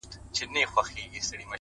هوښیار انسان لومړی اوري؛